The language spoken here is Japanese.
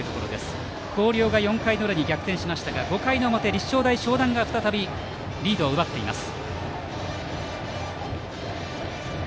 広陵が４回の裏に逆転しましたが５回の表、立正大淞南が再びリードを奪っています。